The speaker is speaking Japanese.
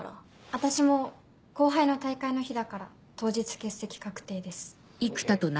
私も後輩の大会の日だから当日欠席確定です。